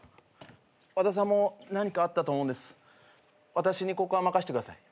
私にここは任してください。